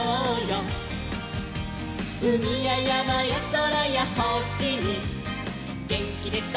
「うみややまやそらやほしにげんきです！